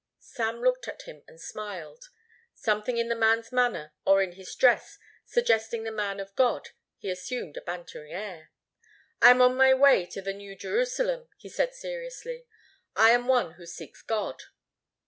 Sam looked at him and smiled. Something in the man's manner or in his dress suggesting the man of God, he assumed a bantering air. "I am on my way to the New Jerusalem," he said seriously. "I am one who seeks God."